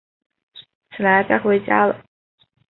起来，该回家了